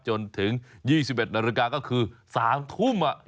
จนถึง๒๑นาฬิกาก็คือ๓ทุ่ม